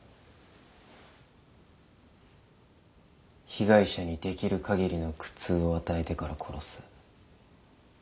被害者にできる限りの苦痛を与えてから殺す。